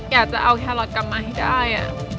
อยากจะเอาแครอทกลับมาให้ได้